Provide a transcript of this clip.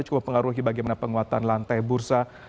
cukup mengaruhi bagaimana penguatan lantai bursa